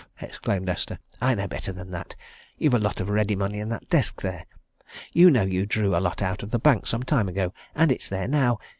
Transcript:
exclaimed Esther. "I know better than that. You've a lot of ready money in that desk there you know you drew a lot out of the bank some time ago, and it's there now.